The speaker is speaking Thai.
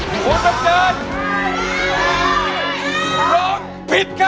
ร้องผิดครับ